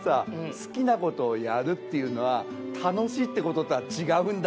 「好きなことをやるっていうのは楽しいってこととは違うんだ」。